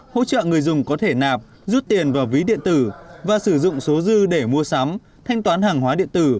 hỗ trợ người dùng có thể nạp rút tiền vào ví điện tử và sử dụng số dư để mua sắm thanh toán hàng hóa điện tử